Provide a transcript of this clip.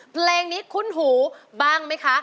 เพลงนี้ขุนหูบ้างมั้ยคะ